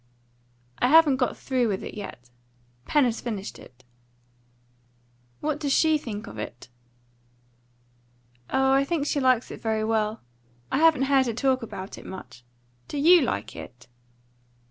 "I haven't got through with it yet. Pen has finished it." "What does she think of it?" "Oh, I think she likes it very well. I haven't heard her talk about it much. Do you like it?"